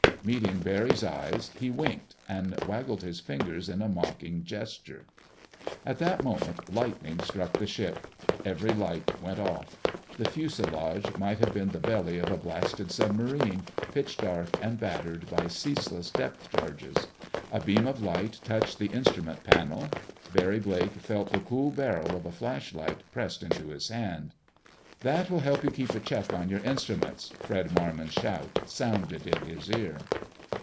Meeting Barry's eyes he winked, and waggled his fingers in a mocking gesture. At that moment lightning struck the ship. Every light went off. The fuselage might have been the belly of a blasted submarine, pitch dark and battered by ceaseless depth charges. A beam of light touched the instrument panel. Barry Blake felt the cool barrel of a flashlight pressed into his hand. "That will help you keep a check on your instruments!" Fred Marmon's shout sounded in his ear.